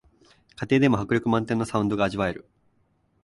家庭でも迫力満点のサウンドが味わえる